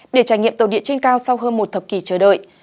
để trải nghiệm tàu địa trên cao sau hơn một thập kỷ chờ đợi